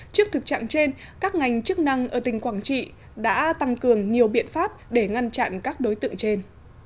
trước thực trạng trên các ngành chức năng ở tỉnh quảng trị đã tăng cường nhiều biện pháp để ngăn chặn các đối tượng trên